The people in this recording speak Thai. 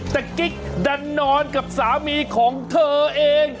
แต่กิ๊กดันนอนกับสามีของเธอเอง